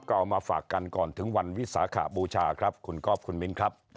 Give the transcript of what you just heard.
ก็เอามาฝากกันก่อนถึงวันวิสาขบูชาครับคุณก๊อฟคุณมิ้นครับ